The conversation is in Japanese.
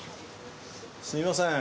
すみません。